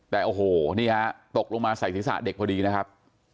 แต่โอ้โหนี่ฮะตกลงมาใส่ศีรษะเด็กพอดีนะครับ